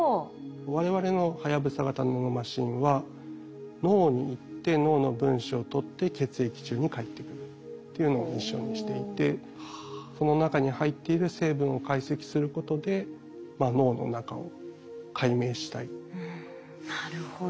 我々のはやぶさ型ナノマシンは脳に行って脳の分子を取って血液中に帰ってくるっていうのをミッションにしていてその中に入っている成分を解析することでなるほど。